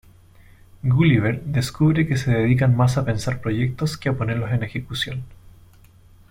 Gulliver descubre que se dedican más a pensar proyectos que a ponerlos en ejecución.